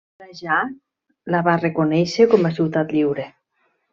Trajà la va reconèixer com a ciutat lliure.